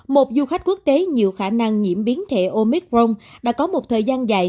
một du khách quốc tế nhiều khả năng nhiễm biến thể omicron đã có một thời gian dài